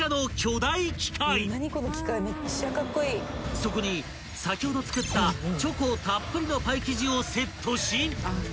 ［そこに先ほど作ったチョコたっぷりのパイ生地をセットし］